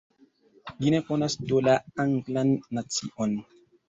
Li ne konas do la Anglan nacion.